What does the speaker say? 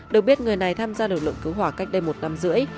được biết người này tham gia lực lượng cứu hỏa cách đây một năm rưỡi